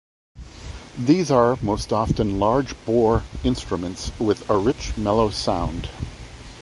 These are most often large-bore instruments with a rich mellow sound.